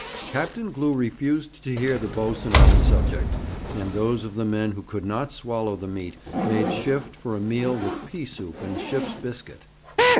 Captain Glew refused to hear the boatswain on the subject, and those of the men who could not swallow the meat made shift for a meal with pea soup and ship's biscuit.